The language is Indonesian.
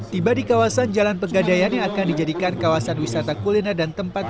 tiba di kawasan jalan pegadaian yang akan dijadikan kawasan wisata kuliner dan tempat